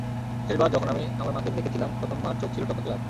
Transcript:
শেষবার যখন আমি আমার মাকে দেখেছিলাম তখন মার চোখ ছিল টকটকে লাল।